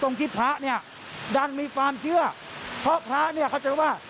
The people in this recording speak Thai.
มันมีความเชื่อเพราะพระเขาจะเรียกว่า